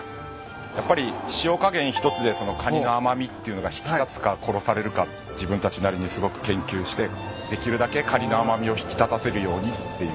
やっぱり塩加減一つでカニの甘味っていうのが引き立つか殺されるか自分たちなりにすごく研究してできるだけカニの甘味を引き立たせるようにっていう。